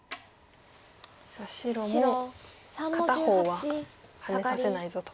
さあ白も片方はハネさせないぞと。